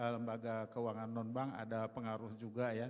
lembaga keuangan non bank ada pengaruh juga ya